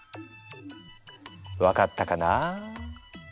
分かったかな？